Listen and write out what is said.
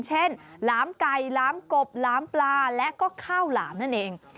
หลามไก่หลามกบหลามปลาและก็ข้าวหลามนั่นเอง